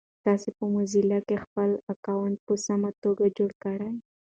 تاسو په موزیلا کې خپل اکاونټ په سمه توګه جوړ کړی؟